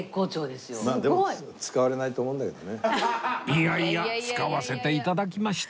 いやいや使わせて頂きました